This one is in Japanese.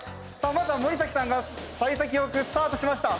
まずは森崎さんが幸先良くスタートしました。